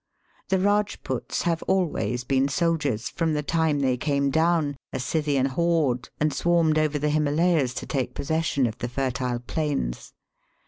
The Eajputs have always been soldiers from the time they came down, a Scythian horde, and swarmed over the Himalayas to take possession of the fertile plains.